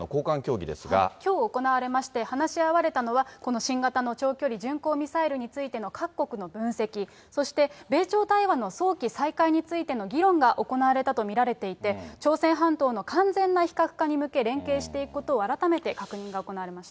きょう行われまして、話し合われたのは、この新型の長距離巡航ミサイルについての各国の分析、そして、米朝対話の早期再開についての議論が行われたと見られていて、朝鮮半島の完全な非核化に向け、連携していくことを改めて確認が行われました。